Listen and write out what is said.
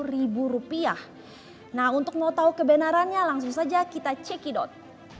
sembilan puluh rupiah nah untuk mau tahu kebenarannya langsung saja kita cek idot